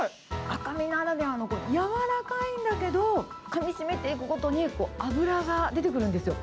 赤身ならではの軟らかいんだけど、かみ締めていくごとに、脂が出てくるんですよ。